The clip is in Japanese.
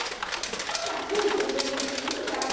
少しは信じてくれたっていいだろ。